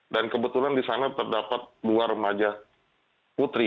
dan kebetulan di sana terdapat dua remaja putri